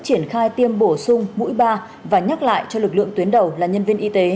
triển khai tiêm bổ sung mũi ba và nhắc lại cho lực lượng tuyến đầu là nhân viên y tế